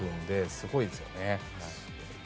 すごいですね。